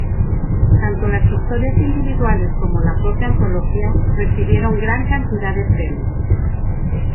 Tanto las historias individuales como la propia antología recibieron gran cantidad de premios.